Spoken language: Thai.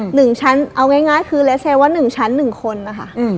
หนึ่งชั้นเอาง่ายคือเลสเซลว่าหนึ่งชั้นหนึ่งคนนะคะอืม